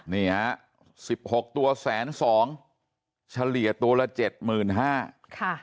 นี่ฮะสิบหกตัวแสนสองเฉลี่ยตัวละเจ็ดหมื่นห้าค่ะ